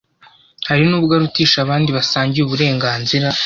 hari nubwo arutisha abandi basangiye uburengazira